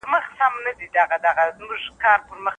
د دوی له خامیانو څخه ډېر قیامتونه راغلل.